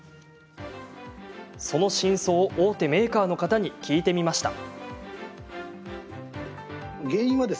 その真相を大手メーカーの方に聞いてみました。